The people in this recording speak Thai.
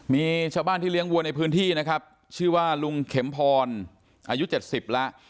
มีชาวบ้านที่เลี้ยงวัวในพื้นที่นะครับชื่อว่าลุงเข็มพรอายุ๗๐แล้ว